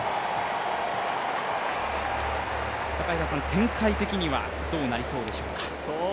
展開的にはどうなりそうでしょうか。